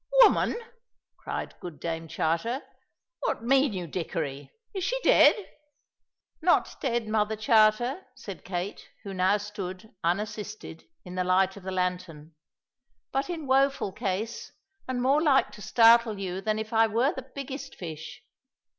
"Woman!" cried good Dame Charter. "What mean you, Dickory, is she dead?" "Not dead, Mother Charter," said Kate, who now stood, unassisted, in the light of the lantern, "but in woeful case, and more like to startle you than if I were the biggest fish.